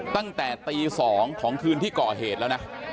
ตั้งแต่ตี๒ของคืนที่ก่อเหตุแล้วนะ